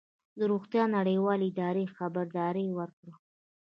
د روغتیا نړیوالې ادارې خبرداری ورکړی